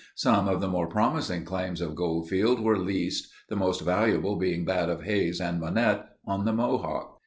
Some of the more promising claims of Goldfield were leased, the most valuable being that of Hays and Monette, on the Mohawk.